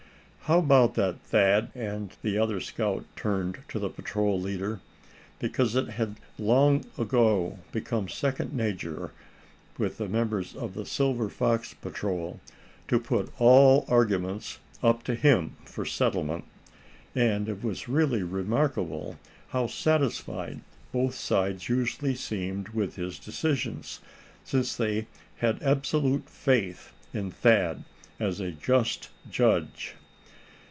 "How about that, Thad?" and the other scout turned to the patrol leader; because it had long ago become second nature with the members of the Silver Fox Patrol to put all arguments up to him for settlement; and it was really remarkable how satisfied both sides usually seemed with his decisions, since they had absolute faith in Thad as a just judge.